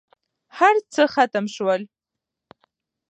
هرڅه ختم شول.